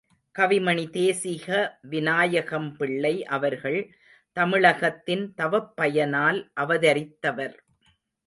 கவிமணி தேசிக வினாயகம்பிள்ளை அவர்கள் தமிழகத்தின் தவப்பயனால் அவதரித்தவர்.